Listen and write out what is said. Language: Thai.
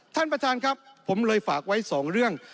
ท่านประธานครับผมเลยฝากไว้สองเรื่อง